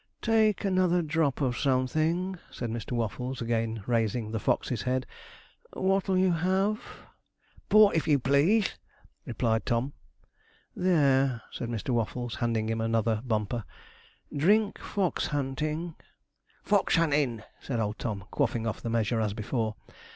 'Take another drop of something,' said Mr. Waffles, again raising the Fox's head. 'What'll you have?' 'Port, if you please,' replied Tom. 'There,' said Mr. Waffles, handing him another bumper; 'drink Fox hunting.' 'Fox huntin',' said old Tom, quaffing off the measure, as before.